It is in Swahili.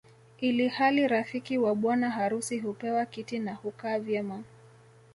Ili hali rafiki wa bwana harusi hupewa kiti na hukaa vyema